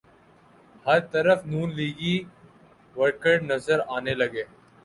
ہر طرف نون لیگی ورکر نظر آنے لگے۔